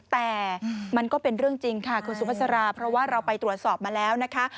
แต่มันก็เป็นเรื่องจริงค่ะคุณสุภาษาเพราะว่าเราไปตรวจสอบมาแล้วนะคะ